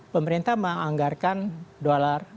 pemerintah menganggarkan dolar